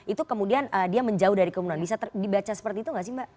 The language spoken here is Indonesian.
itu kemudian dia menjauh dari kerumunan bisa dibaca seperti itu nggak sih mbak